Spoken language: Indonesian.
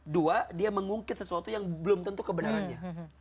dua dia mengungkit sesuatu yang belum tentu kebenarannya